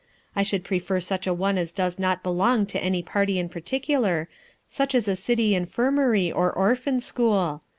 I should prefer such a one as does not belong to any party in particular, such as a city infirmary or orphan school.